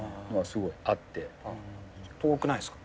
遠くないっすか？